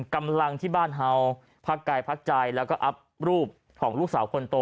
กำลังที่บ้านเฮาพักกายพักใจแล้วก็อัพรูปของลูกสาวคนโต